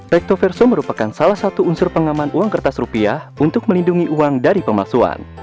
rektoverso merupakan salah satu unsur pengaman uang kertas rupiah untuk melindungi uang dari pemalsuan